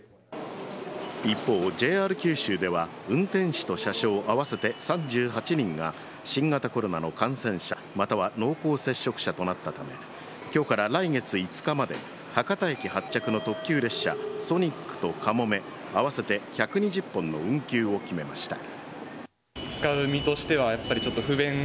一方、ＪＲ九州では運転士と車掌、合わせて３８人が新型コロナの感染者または濃厚接触者となったため今日から来月５日まで博多駅発着の特急列車ソニックとかもめ合わせて１２０本の運休を決めました。